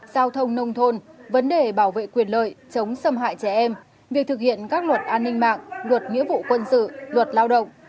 giao thông nông thôn vấn đề bảo vệ quyền lợi chống xâm hại trẻ em việc thực hiện các luật an ninh mạng luật nghĩa vụ quân sự luật lao động